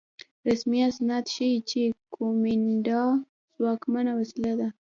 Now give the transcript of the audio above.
رسمي اسناد ښيي چې کومېنډا ځواکمنه وسیله وه.